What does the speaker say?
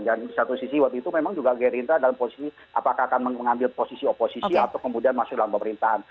dan di satu sisi waktu itu memang juga gerindra dalam posisi apakah akan mengambil posisi oposisi atau kemudian masuk dalam pemerintahan